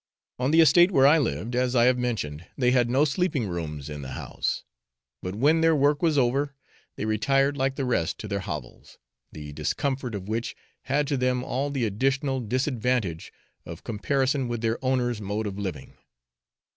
On the estate where I lived, as I have mentioned, they had no sleeping rooms in the house; but when their work was over, they retired like the rest to their hovels, the discomfort of which had to them all the additional disadvantage of comparison with their owner's mode of living.